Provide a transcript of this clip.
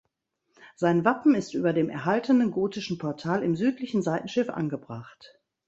Sein Wappen ist über dem erhaltenen gotischen Portal im südlichen Seitenschiff angebracht.